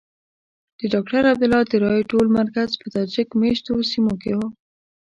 د ډاکټر عبدالله د رایو ټول مرکز په تاجک مېشتو سیمو کې وو.